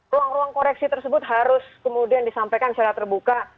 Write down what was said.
ruang ruang koreksi tersebut harus kemudian disampaikan secara terbuka